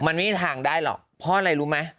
มันไม่มีทางได้หรอกเพราะอะไรรู้ไหม